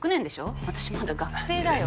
私まだ学生だよ。